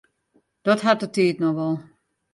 Dat hat de tiid noch wol.